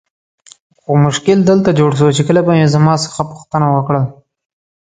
خو مشکل دلته جوړ سو چې کله به یې زما څخه پوښتنه وکړل.